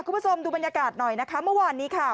คุณผู้ชมดูบรรยากาศหน่อยนะคะเมื่อวานนี้ค่ะ